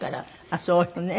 あっそうよね。